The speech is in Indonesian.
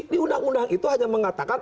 di undang undang itu hanya mengatakan